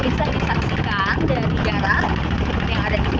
proses perarakan di jumat agung